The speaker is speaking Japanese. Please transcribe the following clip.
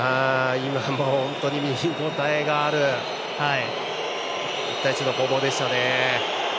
今も、本当に見応えがある１対１の攻防でした。